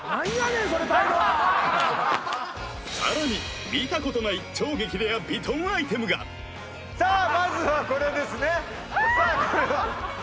さらに見たことない超激レアヴィトンアイテムがさあまずはこれですねさあ